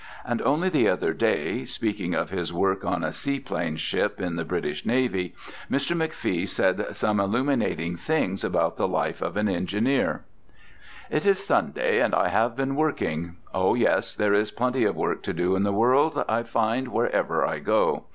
And only the other day, speaking of his work on a seaplane ship in the British Navy, Mr. McFee said some illuminating things about the life of an engineer: It is Sunday, and I have been working. Oh, yes, there is plenty of work to do in the world, I find, wherever I go.